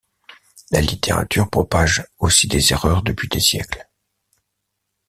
La littérature propage aussi des erreurs depuis des siècles.